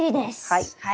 はい。